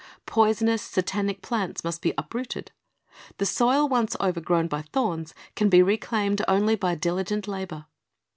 Poisonous, Satanic plants must be uprooted. The soil once overgrown by thorns can be reclaimed only by diligent labor.